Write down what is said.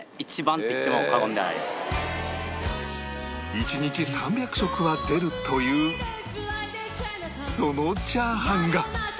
１日３００食は出るというそのチャーハンが